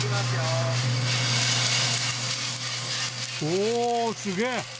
おおすげえ。